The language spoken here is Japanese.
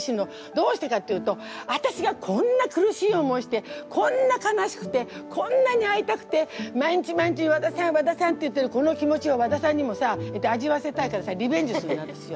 どうしてかっていうと私がこんな苦しい思いしてこんな悲しくてこんなに会いたくて毎日毎日「和田さん和田さん」って言ってるこの気持ちを和田さんにもさ味わわせたいからさリベンジするの私は。